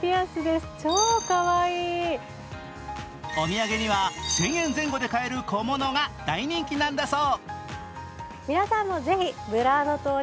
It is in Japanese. お土産には１０００円前後で買える小物が大人気だそう。